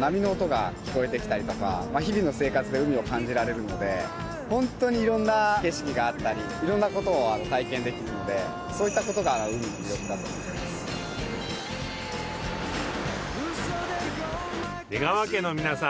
波の音が聞こえてきたりとか日々の生活で海を感じられるのでホントにいろんな景色があったりいろんなことを体験できるのでそういったことが海の魅力だと思ってます。